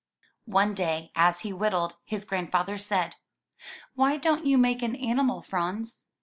One day, as he whittled, his grandfather said, '*Why don't you make an animal, Franz?"